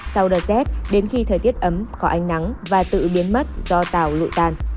sau đợt rét đến khi thời tiết ấm có ánh nắng và tự biến mất do tàu lụi tàn